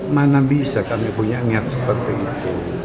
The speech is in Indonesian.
mana bisa kami punya niat seperti itu